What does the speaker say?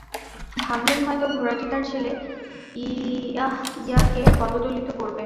ভাবলেন, হয়তো ঘোড়াটি তাঁর ছেলে ইয়াহইয়াকে পদদলিত করবে।